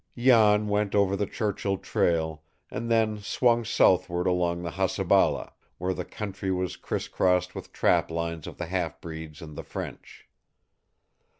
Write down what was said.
Jan went over the Churchill trail, and then swung southward along the Hasabala, where the country was crisscrossed with trap lines of the half breeds and the French.